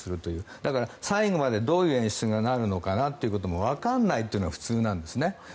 だから最後までどういう演出になるのかなというのがわからないというのが普通なんですね。